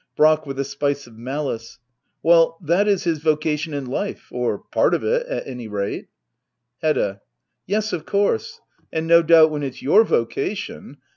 Brack. [With a spice of malice,'] Well, that is his vocation in life — or part of it at any rate. Hedda. Yes, of course ; and no doubt when it's your vocation